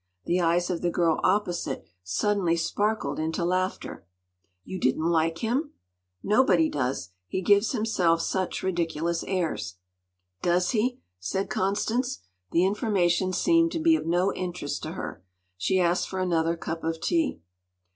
The eyes of the girl opposite suddenly sparkled into laughter. “You didn’t like him?” “Nobody does. He gives himself such ridiculous airs.” “Does he?” said Constance. The information seemed to be of no interest to her. She asked for another cup of tea.